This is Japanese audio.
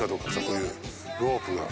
こういうロープが。